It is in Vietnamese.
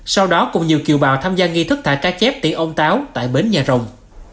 sau đó cùng nhiều kiều bào tham gia nghi thức thả cá chép tỉ ông táo tại bến nhà rồng